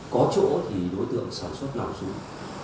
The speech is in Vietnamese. có chỗ thì đối tượng sản xuất nào dùng